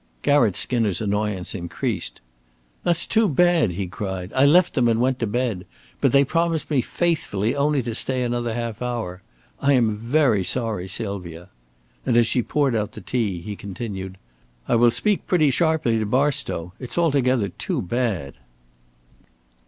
Garratt Skinner's annoyance increased. "That's too bad," he cried. "I left them and went to bed. But they promised me faithfully only to stay another half hour. I am very sorry, Sylvia." And as she poured out the tea, he continued: "I will speak pretty sharply to Barstow. It's altogether too bad."